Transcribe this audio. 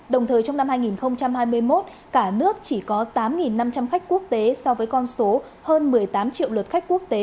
đồng thời trong năm hai nghìn hai mươi một cả nước chỉ có tám năm trăm linh khách quốc tế so với con số hơn một mươi tám triệu lượt khách quốc tế